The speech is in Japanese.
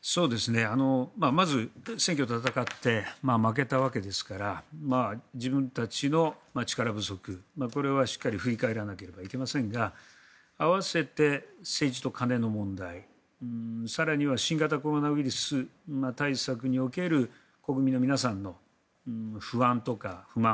まず、選挙を戦って負けたわけですから自分たちの力不足これはしっかり振り返らなければいけませんが合わせて政治と金の問題更には新型コロナウイルス対策における国民の皆さんの不安とか不満。